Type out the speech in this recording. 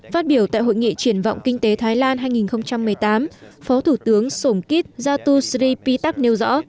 phát biểu tại hội nghị triển vọng kinh tế thái lan hai nghìn một mươi tám phó thủ tướng sổng kít jatushri pitak nêu rõ